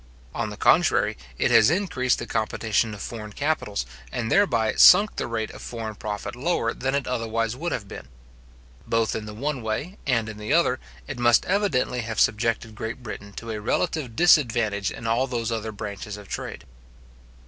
On the contrary, it has increased the competition of foreign capitals, and thereby sunk the rate of foreign profit lower than it otherwise would have been. Both in the one way and in the other, it must evidently have subjected Great Britain to a relative disadvantage in all those other branches of trade.